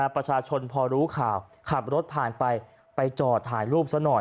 ประชาชนพอรู้ข่าวขับรถผ่านไปไปจอดถ่ายรูปซะหน่อย